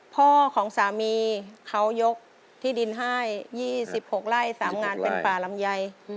พ่อของสามีเขายกที่ดินให้๒๖ไร่๓งานเป็นป่าลำไย